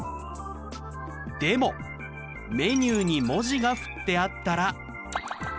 でもメニューに文字が振ってあったら。